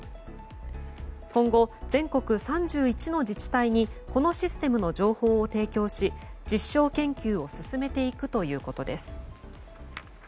今後、全国３１の自治体にこのシステムの情報を提供し実証研究を進めていくということです。